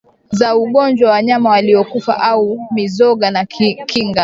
za ugonjwa wanyama waliokufa au mizoga na kinga